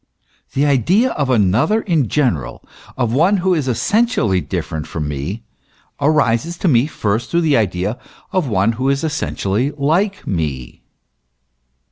The idea of another in general, of one who is essentially different from me arises to me first through the idea of one who is essentially like me.